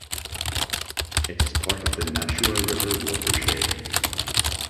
It is part of the Nashua River Watershed.